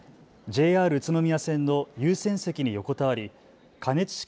ＪＲ宇都宮線の優先席に横たわり加熱式